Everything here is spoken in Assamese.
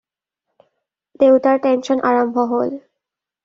দেউতাৰ টেনচন আৰম্ভ হ'ল।